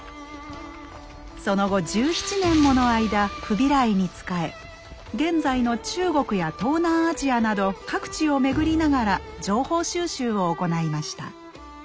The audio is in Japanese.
その後１７年もの間フビライにつかえ現在の中国や東南アジアなど各地を巡りながら情報収集を行いました。